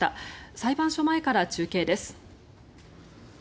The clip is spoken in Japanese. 裁判所前から中継です。